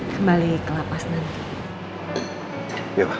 kembali ke lapas nanti